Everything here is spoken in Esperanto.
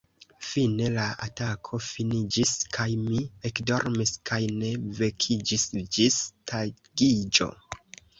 Fine, la atako finiĝis, kaj mi ekdormis kaj ne vekiĝis ĝis tagiĝo.